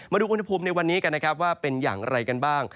มาดูอุณหภูมิในวันนี้กันนะครับว่าเป็นอย่างไรกันบ้าง